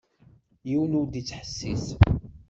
Yiwen ur d-ittḥessis.